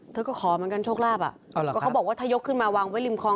เธอก็ขอเหมือนกันโชคลาภอ่ะก็เขาบอกว่าถ้ายกขึ้นมาวางไว้ริมคลอง